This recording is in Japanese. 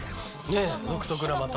ねぇ独特なまた。